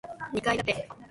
二階建て